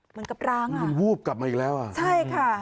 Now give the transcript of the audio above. เหมือนกับร้างอะวูบกลับมาอีกแล้วใช่ค่ะ